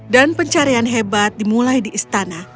dan pencarian hebat dimulai di istana